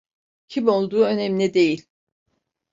Kim olduğu önemli değil.